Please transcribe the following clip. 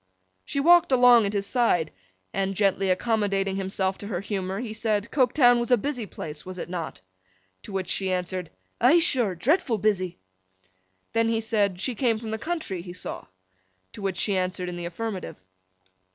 She walked along at his side, and, gently accommodating himself to her humour, he said Coketown was a busy place, was it not? To which she answered 'Eigh sure! Dreadful busy!' Then he said, she came from the country, he saw? To which she answered in the affirmative.